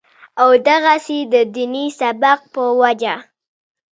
او دغسې د ديني سبق پۀ وجه